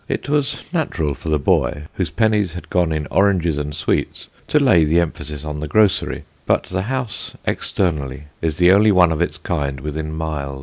It was natural for the boy, whose pennies had gone in oranges and sweets, to lay the emphasis on the grocery; but the house externally is the only one of its kind within miles.